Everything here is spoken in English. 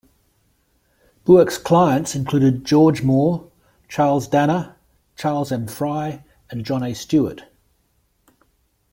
Buek's clients included George Moore, Charles Dana, Charles M. Fry and John A. Stewart.